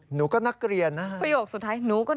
หนูก็นักเรียนน่ะ